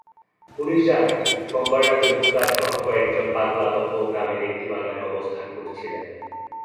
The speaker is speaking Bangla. পুলিশ জানায়, সোমবার রাতে মুক্তারসহ কয়েকজন পাগলাদহ গ্রামের একটি বাগানে অবস্থান করছিলেন।